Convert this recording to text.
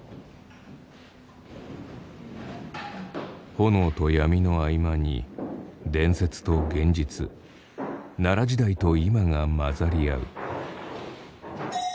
炎と闇の合間に伝説と現実奈良時代と今が混ざり合う。